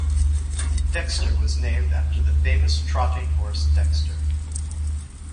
Dexter was named after the famous trotting horse Dexter.